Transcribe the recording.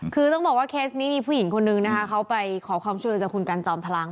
คือต้องบอกว่าเคสนี้มีผู้หญิงคนนึงนะคะเขาไปขอความช่วยเหลือจากคุณกันจอมพลัง